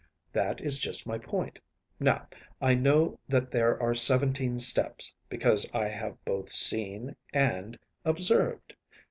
That is just my point. Now, I know that there are seventeen steps, because I have both seen and observed.